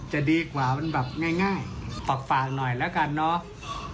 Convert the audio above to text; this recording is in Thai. จะดีกว่ามันแบบง่ายฝากหน่อยแล้วกันเนาะ